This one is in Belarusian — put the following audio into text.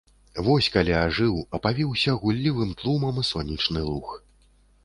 Вось калі ажыў, апавіўся гуллівым тлумам сонечны луг.